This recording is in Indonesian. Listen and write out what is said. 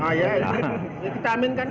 ah ya itu kita aminkan